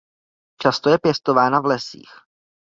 Často je pěstována v lesích.